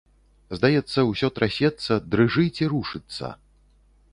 Здаецца, усё трасецца, дрыжыць і рушыцца.